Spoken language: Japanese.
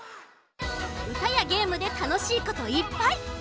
うたやゲームでたのしいこといっぱい！